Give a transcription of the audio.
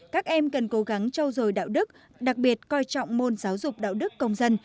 các em cần cố gắng trao dồi đạo đức đặc biệt coi trọng môn giáo dục đạo đức công dân